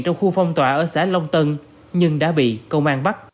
trong khu phong tỏa ở xã long tân nhưng đã bị công an bắt